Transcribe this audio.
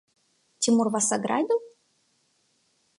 Тимур вас ограбил?